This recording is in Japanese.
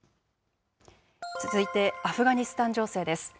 続いてアフガニスタン情勢です。